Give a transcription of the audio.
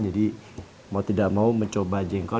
mau tidak mau mencoba jengkol